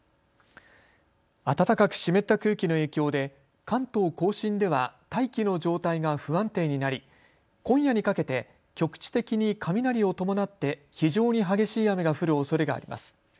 暖かく湿った空気の影響で関東甲信では大気の状態が不安定になり今夜にかけて局地的に雷を伴って非常に激しい雨が降るおそれがあります。